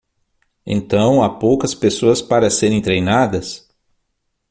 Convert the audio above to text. Então, há poucas pessoas para serem treinadas?